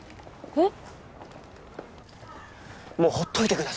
えっ？